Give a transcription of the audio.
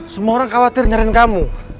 semua orang khawatir nyaran kamu